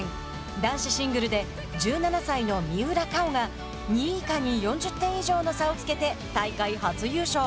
男子シングルで１７歳の三浦佳生が２位以下に４０点以上の差をつけて大会初優勝。